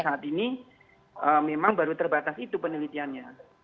saat ini memang baru terbatas itu penelitiannya